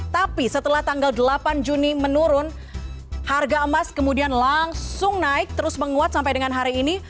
tapi setelah tanggal delapan juni menurun harga emas kemudian langsung naik terus menguat sampai dengan hari ini